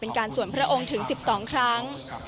การสวนพระองค์ถึง๑๒ครั้ง